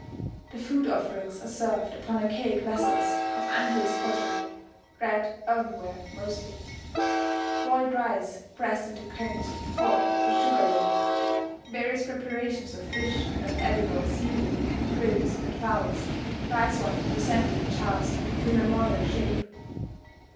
The food offerings are served upon archaic vessels of unglazed pottery (red earthenware mostly): boiled rice pressed into cones of the form of a sugar loaf, various preparations of fish and of edible sea weed, fruits and fowls, rice wine presented in jars of immemorial shape.